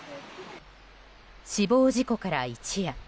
死亡事故から一夜。